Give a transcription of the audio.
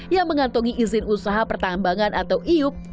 yang mengantongi izin usaha pertambangan atau iup